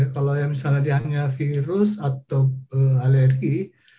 kalau misalnya dia hanya virus atau alergi